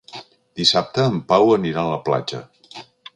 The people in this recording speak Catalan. Dissabte en Pau anirà a la platja.